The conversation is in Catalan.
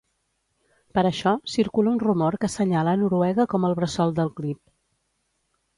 Per això circula un rumor que assenyala a Noruega com el bressol del clip.